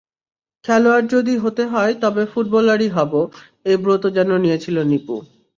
খেলোয়াড় যদি হতে হয়, তবে ফুটবলারই হব—এই ব্রত যেন নিয়েছিল নিপু।